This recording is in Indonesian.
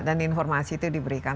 dan informasi itu diberikan